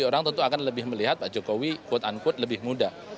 orang tentu akan lebih melihat pak jokowi quote unquote lebih muda